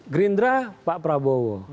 gerindra pak prabowo